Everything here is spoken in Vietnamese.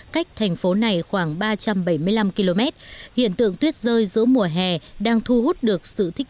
cách thành phố này khoảng ba trăm bảy mươi năm km hiện tượng tuyết rơi giữa mùa hè đang thu hút được sự thích